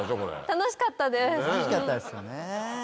楽しかったです。